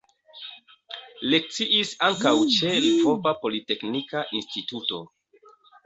Lekciis ankaŭ ĉe Lvova Politeknika Instituto.